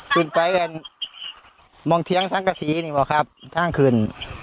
ขึ้นไปกันมองเทียงสังกะทีนี่หรือเปล่าครับท่างคืน